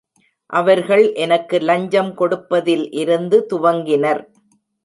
அவர்கள் எனக்கு லஞ்சம் கொடுப்பதில் இருந்து துவங்கினர்!